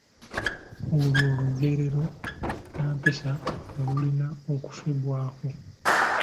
olw’olugerero nnampisa olulina okufiibwako